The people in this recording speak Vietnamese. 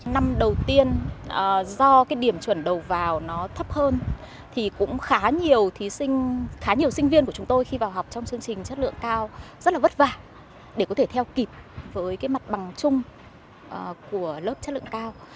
năm đầu tiên do điểm chuẩn đầu vào thấp hơn khá nhiều sinh viên của chúng tôi khi vào học trong chương trình chất lượng cao rất vất vả để có thể theo kịp với mặt bằng chung của lớp chất lượng cao